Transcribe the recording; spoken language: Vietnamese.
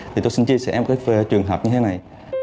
thì tôi xin chia sẻ một cái trường hợp như thế này